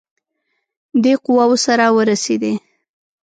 دی قواوو سره ورسېدی.